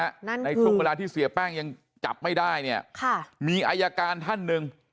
นั่นในช่วงเวลาที่เสียแป้งยังจับไม่ได้เนี่ยค่ะมีอายการท่านหนึ่ง